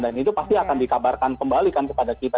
dan itu pasti akan dikabarkan kembalikan kepada kita